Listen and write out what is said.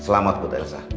selamat bu elsa